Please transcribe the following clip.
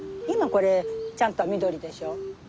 今これちゃんと緑でしょ。